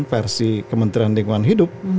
versi kementerian lingkungan hidup